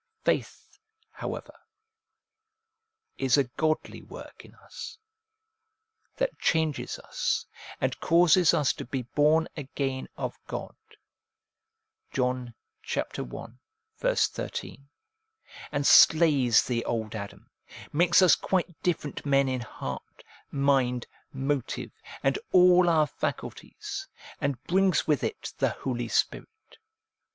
Faith, however, is a godly work in us, that changes us, and causes us to be born again of God (John i. 13), and slays the old Adam, makes us quite different men in heart, mind ; motive, and all our faculties, and brings with it the Holy Spirit.